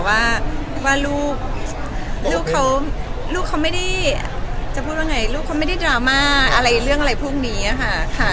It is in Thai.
ว่าลูกเขาไม่ได้ดราม่าอะไรเรื่องอะไรพวกนี้ค่ะ